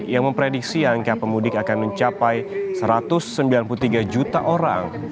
yang memprediksi angka pemudik akan mencapai satu ratus sembilan puluh tiga juta orang